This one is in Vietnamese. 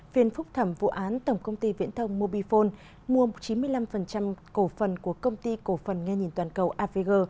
phiên phúc thẩm vụ án tổng công ty viễn thông mobifone mua chín mươi năm cổ phần của công ty cổ phần nghe nhìn toàn cầu avg